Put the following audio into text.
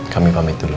kami pamit dulu